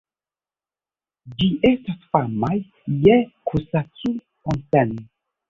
Ĝi estas fama je Kusacu-Onsen.